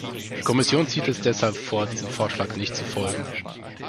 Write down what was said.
Die Kommission zieht es deshalb vor, diesem Vorschlag nicht zu folgen.